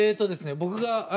僕が。